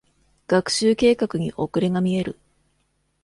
学習計画に遅れが見える。